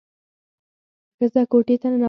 ښځه کوټې ته ننوته.